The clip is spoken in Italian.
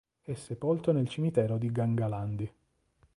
È sepolto nel cimitero di Gangalandi.